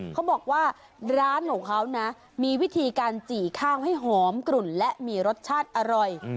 เขาบอกว่าร้านของเขานะมีวิธีการจี่ข้าวให้หอมกลุ่นและมีรสชาติอร่อย